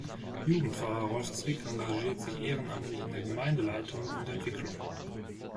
Jugendpfarrer Rolf Zwick engagiert sich ehrenamtlich in der Gemeindeleitung und -entwicklung.